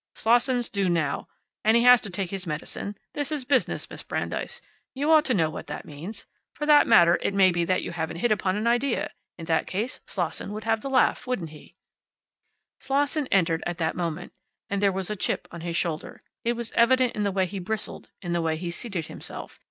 "Slosson's due now. And he has got to take his medicine. This is business, Miss Brandeis. You ought to know what that means. For that matter, it may be that you haven't hit upon an idea. In that case, Slosson would have the laugh, wouldn't he?" Slosson entered at that moment. And there was a chip on his shoulder. It was evident in the way he bristled, in the way he seated himself.